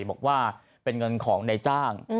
บอกว่าเป็นเงินของในจ้าง